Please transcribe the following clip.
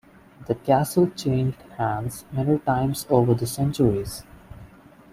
The castle changed hands many times over the centuries.